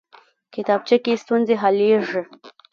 کتابچه کې ستونزې حلېږي